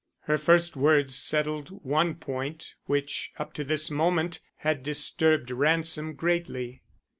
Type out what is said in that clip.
Her first words settled one point which up to this moment had disturbed Ransom greatly.